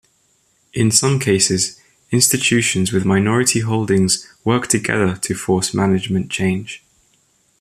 In some cases, institutions with minority holdings work together to force management change.